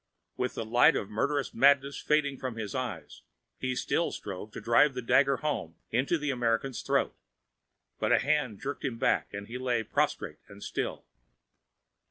With the light of murderous madness fading from his eyes, he still strove to drive the dagger home into the American's throat. But a hand jerked him back and he lay prostrate and still.